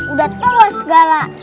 udah tua segala